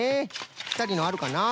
ぴったりのあるかな？